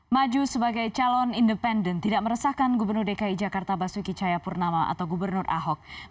maju sebagai calon independen tidak meresahkan gubernur dki jakarta basuki cayapurnama atau gubernur ahok